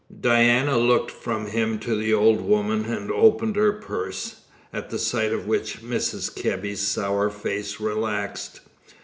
Diana looked from him to the old woman, and opened her purse, at the sight of which Mrs. Kebby's sour face relaxed.